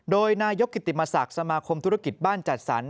โดยนายกกิติมศักดิ์สมาคมธุรกิจบ้านจัดสรร